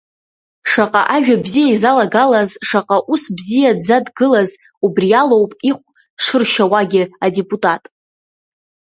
Шаҟа ажәа бзиа изалагалаз, шаҟа аус бзиа дзадгылаз, убри алоуп ихә шыршьауагьы адепутат.